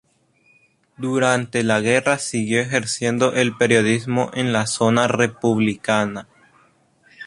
Durante la guerra siguió ejerciendo el periodismo en la zona republicana.